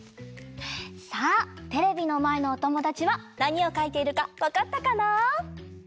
さあテレビのまえのおともだちはなにをかいているかわかったかな？